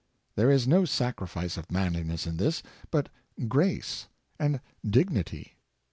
There is no sacrifice of manliness in this, but grace and dignity.